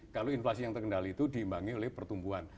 kalau inflasi yang terkendali itu diimbangi oleh pertumbuhan